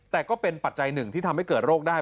แต่ก็เป็นปัจจัยหนึ่งที่ทำให้เกิดโรคได้